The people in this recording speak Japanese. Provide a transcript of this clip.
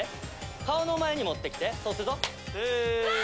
顔の前に持ってきてそうするとス。